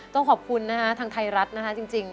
ต้องขอบคุณนะฮะทางไทยรัฐนะคะจริง